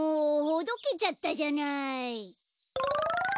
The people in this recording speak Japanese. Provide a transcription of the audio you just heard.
ほどけちゃったじゃない。